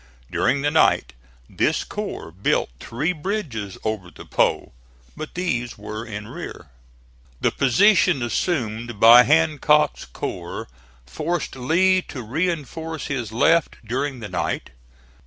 During the night this corps built three bridges over the Po; but these were in rear. The position assumed by Hancock's corps forced Lee to reinforce his left during the night.